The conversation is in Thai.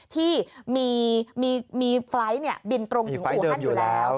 ที่มีไฟล์ต์บินตรงอยู่อูหันต์อยู่แล้ว